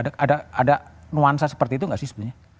ada nuansa seperti itu nggak sih sebenarnya